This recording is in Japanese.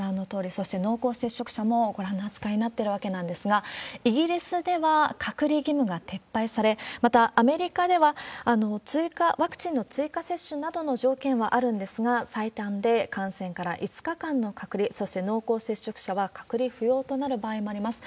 そして濃厚接触者もご覧の扱いになってるわけなんですが、イギリスでは隔離義務が撤廃され、またアメリカではワクチンの追加接種などの条件はあるんですが、最短で感染から５日間の隔離、そして濃厚接触者は隔離不要となる場合もあります。